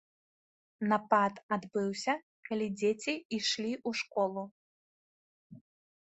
Напад адбыўся, калі дзеці ішлі ў школу.